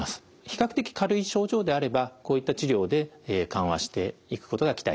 比較的軽い症状であればこういった治療で緩和していくことが期待できます。